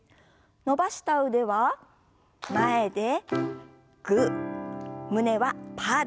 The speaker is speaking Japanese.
伸ばした腕は前でグー胸はパーです。